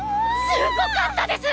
すごかったです！